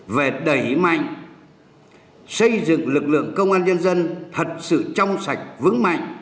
về đẩy mạnh xây dựng lực lượng công an nhân dân thật sự trong sạch vững mạnh